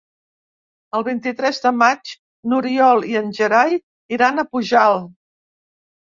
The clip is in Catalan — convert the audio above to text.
El vint-i-tres de maig n'Oriol i en Gerai iran a Pujalt.